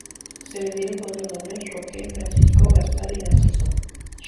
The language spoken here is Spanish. Se le dieron cuatro nombres, Roque, Francisco, Gaspar y Narciso.